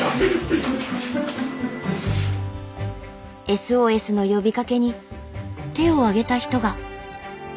ＳＯＳの呼びかけに手を挙げた人が。